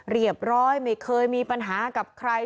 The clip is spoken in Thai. เรียบร้อยไม่เคยมีปัญหากับใคร